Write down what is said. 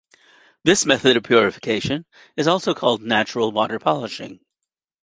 This method of purification is also called natural water polishing.